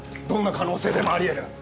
どんな可能性でもあり得る。